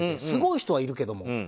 すごい人はいるけども。